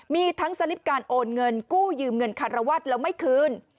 มีทั้งสลิปการโอนเงินกู้ยืมเงินคารวัตรแล้วไม่คืน